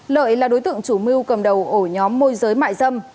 lợi là đối tượng chủ mưu cầm đầu ổ nhóm môi giới mại dâm